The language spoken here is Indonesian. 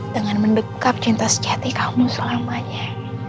dengan mendekat cinta sejati kamu selamanya